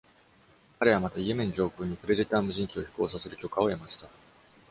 彼はまた、イエメン上空にプレデター無人機を飛行させる許可を得ました。